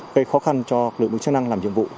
gây khó khăn cho lực lượng chức năng làm nhiệm vụ